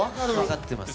わかってます